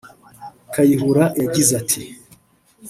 Kayihura yagize ati